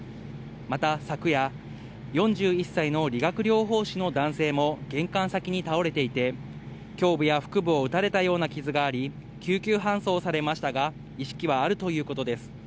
また昨夜、４１歳の理学療法士の男性も玄関先に倒れていて、胸部や腹部を撃たれたような傷があり、救急搬送されましたが意識はあるということです。